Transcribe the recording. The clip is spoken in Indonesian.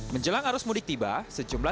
menjelang arus mudik tiba